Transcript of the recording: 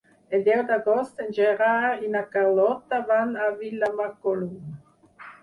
El deu d'agost en Gerard i na Carlota van a Vilamacolum.